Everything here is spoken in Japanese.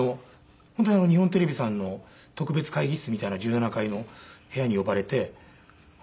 本当に日本テレビさんの特別会議室みたいな１７階の部屋に呼ばれて。